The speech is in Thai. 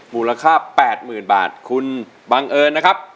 มูลค่า๘๐๐๐บาทคุณบังเอิญนะครับ